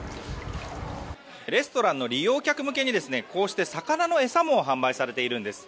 レストランの利用客向けにこうして魚の餌も販売されているんです。